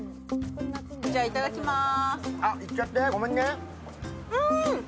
じゃあいただきまーす。